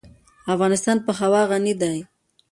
افغانستان په هوا غني دی.